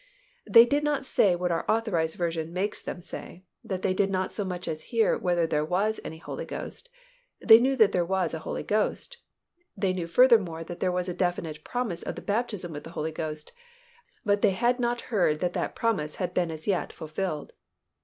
They did not say what our Authorized Version makes them say, that they did not so much as hear whether there was any Holy Ghost. They knew that there was a Holy Ghost; they knew furthermore that there was a definite promise of the baptism with the Holy Ghost, but they had not heard that that promise had been as yet fulfilled.